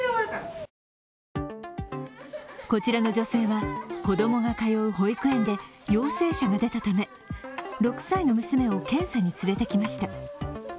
こちらの女性は子供が通う保育園で陽性者が出たため６歳の娘を検査に連れてきました。